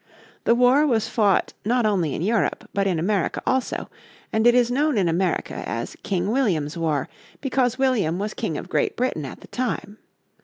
The war was fought not only in Europe but in America also, and it is known in America as King William's War, because William was King of Great Britain at the time.